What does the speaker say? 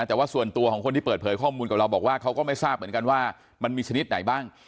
แต่ว่าส่วนตัวของคนที่เปิดเผยข้อมูลกับเราบอกว่าเขาก็ไม่ทราบเหมือนกันว่ามันมีชนิดไหนบ้าง